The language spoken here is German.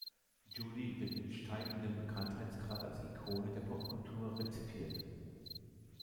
July wird mit steigendem Bekanntheitsgrad als Ikone der Popkultur rezipiert.